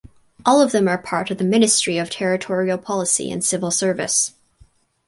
All of them are part of the Ministry of Territorial Policy and Civil Service.